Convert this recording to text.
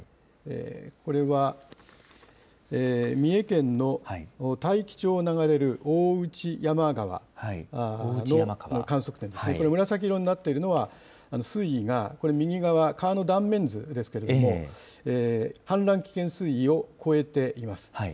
これは三重県の大紀町を流れる大内山川の観測点ですね、これ、紫色になっているのは水位が、これ、右側、川の断面図ですけれども、氾濫危険水位を超えています。